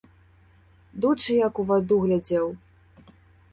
Дучэ як у ваду глядзеў.